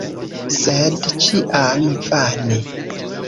Sed ĉiam vane.